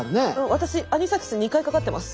私アニサキス２回かかってます。